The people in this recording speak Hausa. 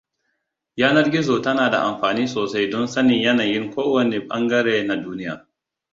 Yanar gizo tana da amfani sosai don sanin yanayin kowane ɓangare na duniya.